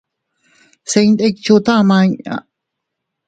Se ntidchoʼo tama inña.